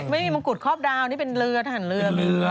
ไม่มีมงกุฎครอบดาวนี่เป็นเรือทหารเรือ